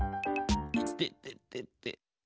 いてててて。